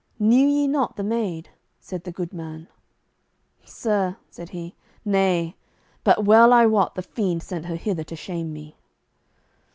"Knew ye not the maid?" said the good man. "Sir," said he, "nay; but well I wot the fiend sent her hither to shame me."